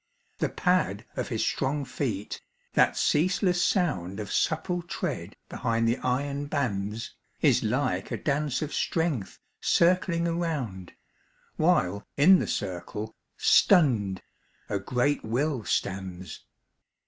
The pad of his strong feet, that ceaseless sound Of supple tread behind the iron bands, Is like a dance of strength circling around, While in the circle, stunned, a great will stands.